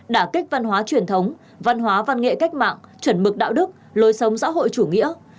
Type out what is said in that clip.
đả kích văn hóa truyền thống văn hóa văn nghệ cách mạng chuẩn mực đạo đức lối sống xã hội chủ nghĩa